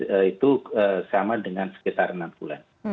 baik ini mungkin metode ini nanti juga bisa digunakan oleh daerah daerah